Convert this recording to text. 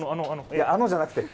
いやあのじゃなくて。